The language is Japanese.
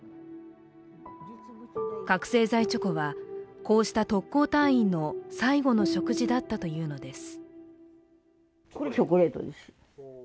覚醒剤チョコは、こうした特攻隊員の最後の食事だったというのです。